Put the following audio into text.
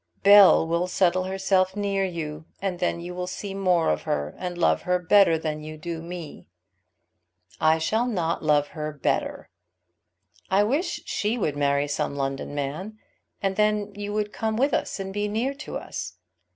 "Bell will settle herself near you, and then you will see more of her and love her better than you do me." "I shall not love her better." "I wish she would marry some London man, and then you would come with us, and be near to us.